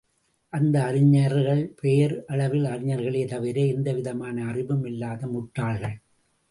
அந்த அறிஞர்கள் பெயர் அளவில் அறிஞர்களே தவிர எந்தவிதமான அறிவும் இல்லாத முட்டாள்கள்.